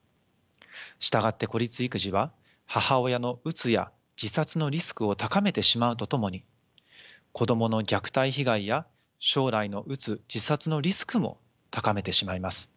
従って孤立育児は母親のうつや自殺のリスクを高めてしまうとともに子どもの虐待被害や将来のうつ自殺のリスクも高めてしまいます。